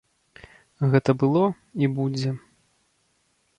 Гэта было і будзе.